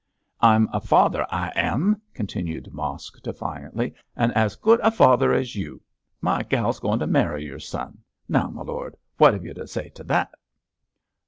'I'm a father, I am!' continued Mosk, defiantly, 'an' as good a father as you. My gal's goin' to marry your son. Now, m' lord, what have you to say to that?'